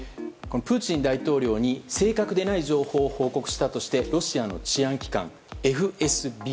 プーチン大統領に正確でない情報を報告したとしてロシアの治安機関ＦＳＢ。